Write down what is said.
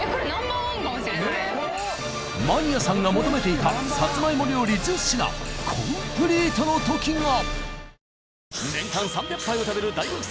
マニアさんが求めていたさつまいも料理１０品コンプリートの時が！